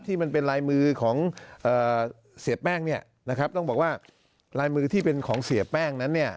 ที่เป็นลายมือของเสียแป้งเนี่ยนะครับต้องบอกว่าลายมือที่เป็นของเสียแป้งนั้นเนี่ย